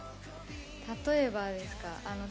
例えばですか？